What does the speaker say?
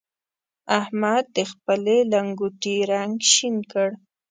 احمد د خپلې لنګوټې رنګ شين کړ.